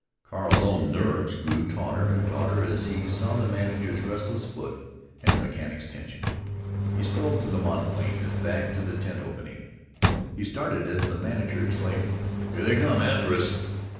Carl's own nerves grew tauter and tauter as he saw the manager's restless foot and the mechanic's tension. He strolled to the monoplane, his back to the tent opening. He started as the manager exclaimed: "Here they come! After us!"